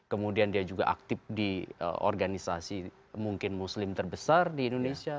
kemudian dia juga aktif di organisasi mungkin muslim terbesar di indonesia